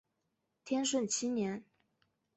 天顺七年。